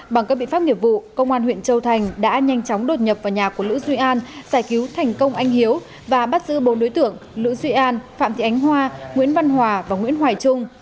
bằng các biện pháp nghiệp vụ công an huyện châu thành đã nhanh chóng đột nhập vào nhà của lữ duy an giải cứu thành công anh hiếu và bắt giữ bốn đối tượng lữ duy an phạm thị ánh hoa nguyễn văn hòa và nguyễn hoài trung